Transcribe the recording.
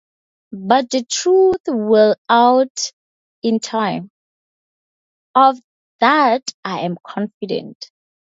But the truth will out in time – of that I am confident.